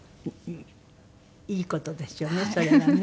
いい事ですよねそれはね。